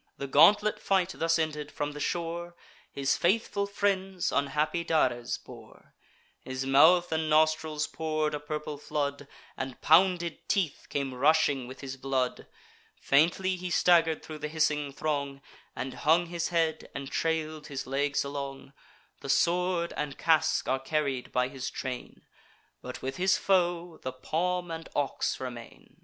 The gauntlet fight thus ended, from the shore His faithful friends unhappy Dares bore: His mouth and nostrils pour'd a purple flood, And pounded teeth came rushing with his blood. Faintly he stagger'd thro' the hissing throng, And hung his head, and trail'd his legs along. The sword and casque are carried by his train; But with his foe the palm and ox remain.